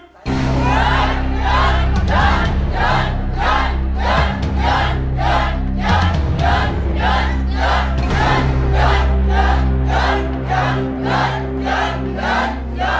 หยุดหยุดหยุด